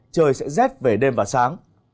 trời sẽ rét về đêm và sáng